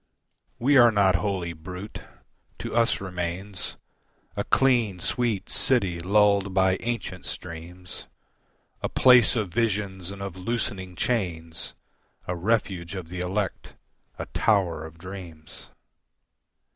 We are not wholly brute. To us remains A clean, sweet city lulled by ancient streams, A place of visions and of loosening chains, A refuge of the elect, a tower of dreams.